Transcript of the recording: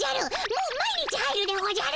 もう毎日入るでおじゃる。